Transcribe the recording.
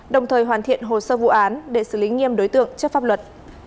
đồng thời hoàn thiện hồ sơ vụ án để xử lý nghiêm đối tượng trước pháp luật